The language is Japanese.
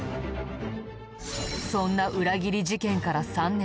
そんな裏切り事件から３年。